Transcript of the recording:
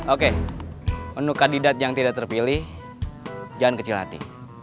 oke penuh kandidat yang tidak terpilih jangan kecil hati